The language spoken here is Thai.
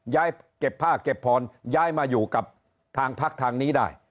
เก็บผ้าเก็บพรย้ายมาอยู่กับทางพักทางนี้ได้